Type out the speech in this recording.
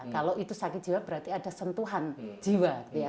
kalau itu sakit jiwa berarti ada sentuhan jiwa